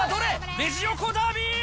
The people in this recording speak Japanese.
レジ横ダービー！